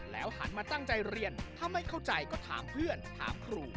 หันมาตั้งใจเรียนถ้าไม่เข้าใจก็ถามเพื่อนถามครู